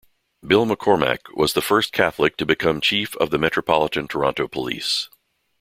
Bill McCormack was the first Catholic to become Chief of the Metropolitan Toronto Police.